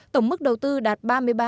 tổng mức đầu tư đạt